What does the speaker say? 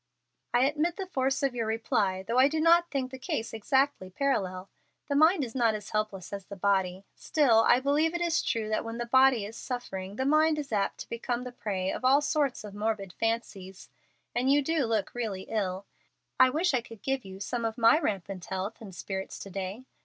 "I admit the force of your reply, though I do not think the case exactly parallel. The mind is not as helpless as the body. Still, I believe it is true that when the body is suffering the mind is apt to become the prey of all sorts of morbid fancies, and you do look really ill. I wish I could give you some of my rampant health and spirits to day.